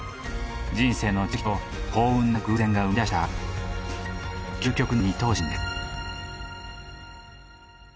人生の蓄積と幸運な偶然が生み出した究極の二頭身です。